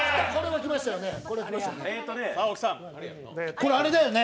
これあれだよね？